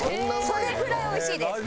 それくらい美味しいです。